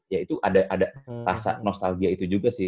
ya itu ada rasa nostalgia itu juga sih